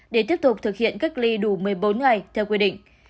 để tiếp tục thực hiện cách ly đủ một mươi bốn ngày theo quy định